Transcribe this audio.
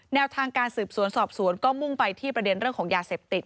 แนวทางการสืบสวนสอบสวนก็มุ่งไปที่ประเด็นเรื่องของยาเสพติด